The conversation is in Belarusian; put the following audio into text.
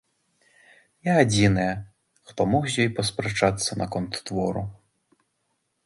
Я адзіная, хто мог з ёй паспрачацца наконт твору.